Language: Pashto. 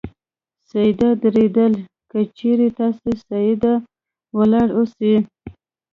سیده درېدل : که چېرې تاسې سیده ولاړ اوسئ